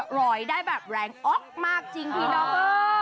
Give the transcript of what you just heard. หลอยได้แบบแรงอ๊อกมากจริงพี่อฟดอกฟ้า